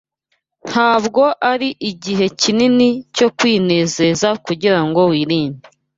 Ntabwo ari igihe kinini cyo kwinezeza kugirango wirinde